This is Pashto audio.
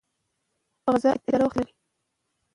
کاغذبازي په ادارو کې د وخت د ضایع کېدو سبب ګرځي.